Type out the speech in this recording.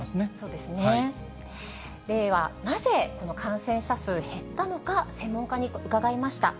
ではなぜ、この感染者数、減ったのか、専門家に伺いました。